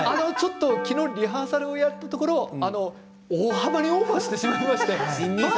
昨日リハーサルをしたら大幅にオーバーしてしまいました。